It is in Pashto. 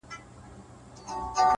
ځي له وطنه خو په هر قدم و شاته ګوري ـ